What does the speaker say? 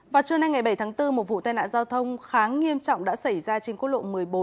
vào trưa nay ngày bảy tháng bốn một vụ tai nạn giao thông khá nghiêm trọng đã xảy ra trên quốc lộ một mươi bốn